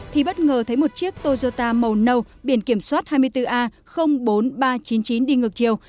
thì bất ngờ thấy một chiếc toyota màu nâu biển kiểm soát hai mươi bốn a bốn nghìn ba trăm chín mươi chín đi ngược chiều